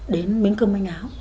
đến miếng cơm ánh áo